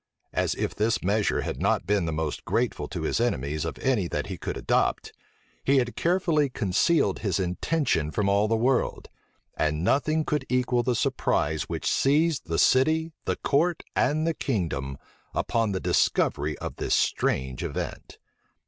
As if this measure had not been the most grateful to his enemies of any that he could adopt, he had carefully concealed his intention from all the world; and nothing could equal the surprise which seized the city, the court, and the kingdom, upon the discovery of this strange event.